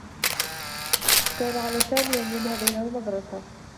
كان على سامي أن يذهب إلى المدرسة.